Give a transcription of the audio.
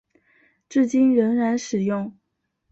至今仍然使用。